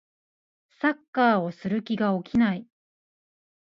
サッカーをする気が起きない